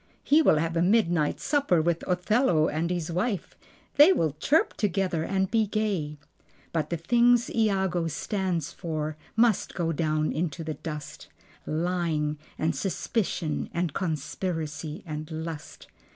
He will have a midnight supper with Othello and his wife. They will chirp together and be gay. But the things Iago stands for must go down into the dust: Lying and suspicion and conspiracy and lust.